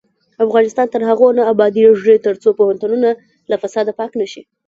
افغانستان تر هغو نه ابادیږي، ترڅو پوهنتونونه له فساده پاک نشي.